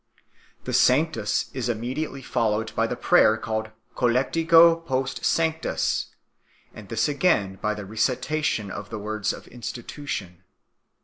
The Sanctus is immediately followed by the prayer called Collectio post Sanctus, and this again by the recitation of the words of Institution.